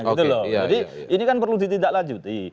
jadi ini kan perlu ditindaklanjuti